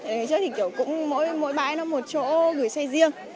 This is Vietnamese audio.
ngày trước thì kiểu cũng mỗi bãi nó một chỗ gửi xe riêng